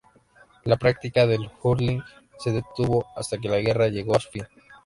La práctica del hurling se detuvo hasta que la guerra llegó a su fin.